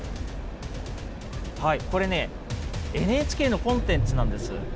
これね、ＮＨＫのコンテンツなんです。